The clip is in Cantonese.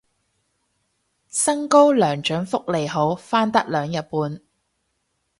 薪高糧準福利好返得兩日半